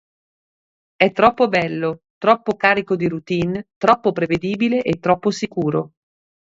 È troppo bello, troppo carico di routine, troppo prevedibile e troppo sicuro.